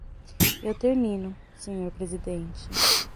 Eu termino, senhor presidente.